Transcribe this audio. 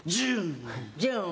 ジュン。